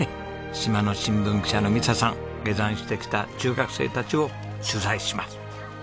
島の新聞記者の美砂さん下山してきた中学生たちを取材します。